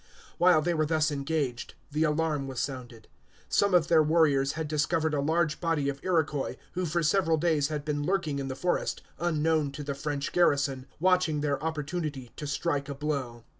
While they were thus engaged, the alarm was sounded. Some of their warriors had discovered a large body of Iroquois, who for several days had been lurking in the forest, unknown to the French garrison, watching their opportunity to strike a blow.